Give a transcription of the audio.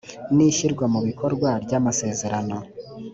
n ishyirwa mu bikorwa ry amasezerano